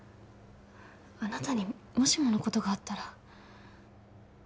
あなたにもしものことがあったら